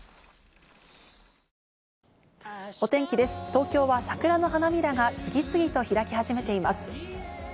東京は桜の花びらが次々と開き始めています。